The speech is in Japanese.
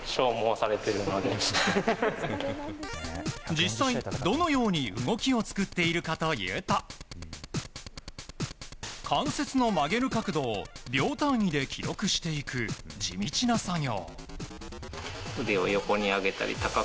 実際、どのように動きを作っているかというと関節の曲げる角度を秒単位で記録していく地道な作業。